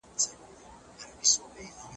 د مهارت نشتوالی د زده کړو له لاري جبرانيږي.